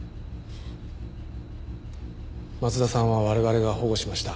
松田さんは我々が保護しました。